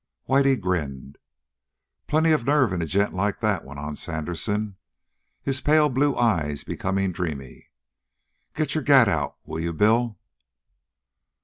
Whitey grinned. "Plenty of nerve in a gent like that," went on Sandersen, his pale blue eyes becoming dreamy. "Get your gat out, will you, Bill?"